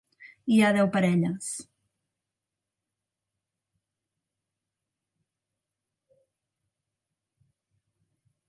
Hi ha deu parelles.